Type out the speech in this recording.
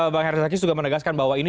bang herzaki sudah menegaskan bahwa ini